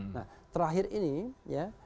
nah terakhir ini ya